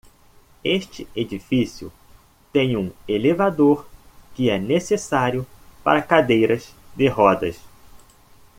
Este edifício tem um elevador que é necessário para cadeiras de rodas.